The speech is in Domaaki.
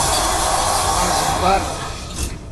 آکبر